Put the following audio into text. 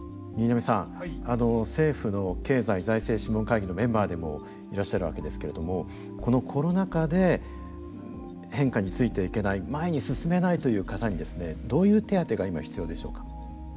新浪さん政府の経済財政諮問会議のメンバーでもいらっしゃるわけですけれどもこのコロナ禍で変化についていけない前に進めないという方にですねどういう手当てが今必要でしょうか。